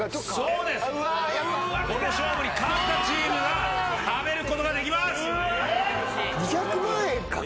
この勝負に勝ったチームが食べることができます！